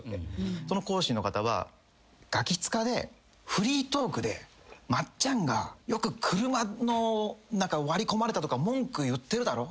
その講師の方は「『ガキ使』でフリートークで松っちゃんがよく車割り込まれたとか文句言ってるだろ？